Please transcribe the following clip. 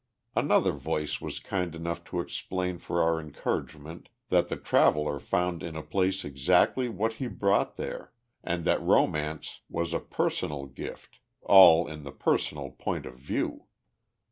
Another voice was kind enough to explain for our encouragement that the traveller found in a place exactly what he brought there, and that romance was a personal gift, all in the personal point of view.